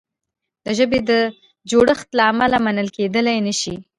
د ژبې د جوړښت له امله منل کیدلای نه شي.